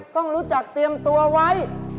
ต้องรู้จักเตรียมตัวไว้